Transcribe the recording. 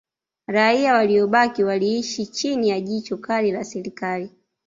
Raia waliobaki waliishi chini ya jicho kali la Serikali